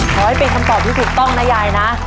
ขอให้เป็นคำตอบที่ถูกต้องนะยายนะ